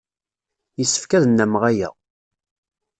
Yessefk ad nnameɣ aya.